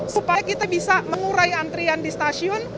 supaya kita bisa mengurai antrian di stasiun